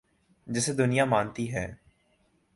جسے دنیا مانتی ہے۔